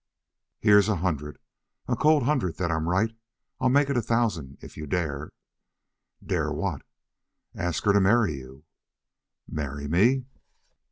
"Here's a hundred a cold hundred that I'm right. I'll make it a thousand, if you dare." "Dare what?" "Ask her to marry you." "Marry me?"